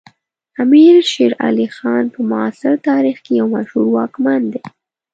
امیر شیر علی خان په معاصر تاریخ کې یو مشهور واکمن دی.